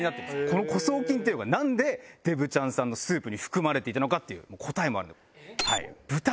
この枯草菌っていうのが何ででぶちゃんさんのスープに含まれていたのかっていう答えもある。